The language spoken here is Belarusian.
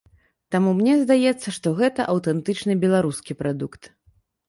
Таму мне здаецца, што гэта аўтэнтычны беларускі прадукт.